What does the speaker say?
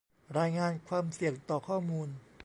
รายงานความเสี่ยงต่อข้อมูล